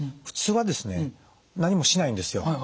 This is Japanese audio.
普通はですね何もしないんですよ。